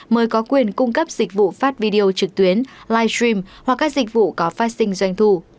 mới có quyền cung cấp dịch vụ phát video trực tuyến live stream hoặc các dịch vụ có phát sinh doanh thù